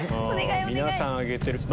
皆さん挙げてる。